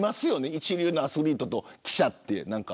一流のアスリートと記者って。